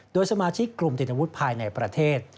โดยสมาชิกกลุ่มติดอาวุธภายในประเทศ